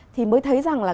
thì mới thấy rằng là